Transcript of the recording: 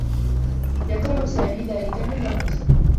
يكره سامي ذلك المدرّس.